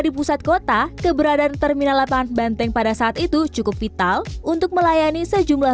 di pusat kota keberadaan terminal lapangan banteng pada saat itu cukup vital untuk melayani sejumlah